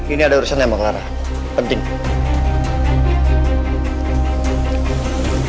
ini ada urusan ya ma clara penting